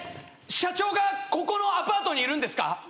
社長がここのアパートにいるんですか？